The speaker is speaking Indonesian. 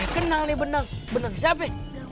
kenal nih benang benang siapa